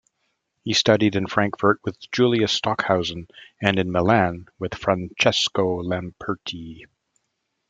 He studied in Frankfurt with Julius Stockhausen, and in Milan with Francesco Lamperti.